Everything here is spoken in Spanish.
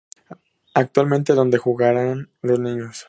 Actualmente ¿Dónde Jugarán Los Niños?